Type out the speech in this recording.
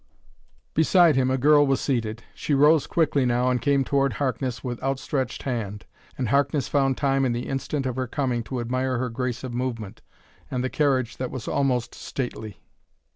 Beside him a girl was seated. She rose quickly now and came toward Harkness with outstretched hand. And Harkness found time in the instant of her coming to admire her grace of movement, and the carriage that was almost stately.